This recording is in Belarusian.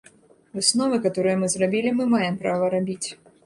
Высновы, каторыя мы зрабілі, мы маем права рабіць.